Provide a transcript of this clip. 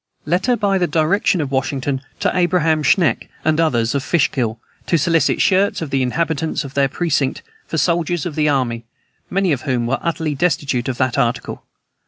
Letter by the direction of Washington to Abraham Schenck and others, of Fishkill, to solicit shirts of the inhabitants of their precinct for the soldiers of the army, many of whom were utterly destitute of that article.